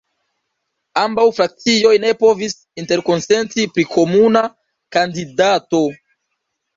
Ambaŭ frakcioj ne povis interkonsenti pri komuna kandidato.